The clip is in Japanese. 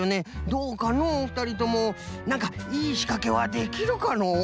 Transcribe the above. どうかのうふたりともなんかいいしかけはできるかのう？